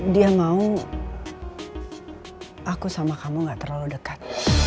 dia mau aku sama kamu gak terlalu dekat